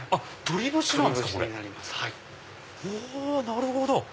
なるほど！